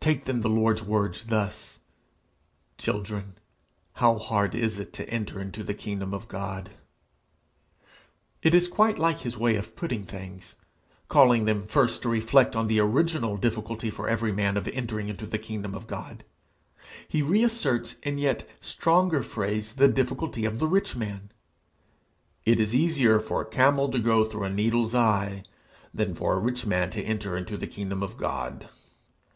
Take then the Lord's words thus: 'Children, how hard is it to enter into the kingdom of God!' It is quite like his way of putting things. Calling them first to reflect on the original difficulty for every man of entering into the kingdom of God, he reasserts in yet stronger phrase the difficulty of the rich man: 'It is easier for a camel to go through a needle's eye, than for a rich man to enter into the kingdom of God.'